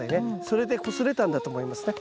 それでこすれたんだと思いますね。